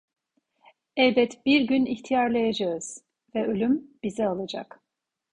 Elbet bir gün ihtiyarlayacağız Ve ölüm bizi alacak.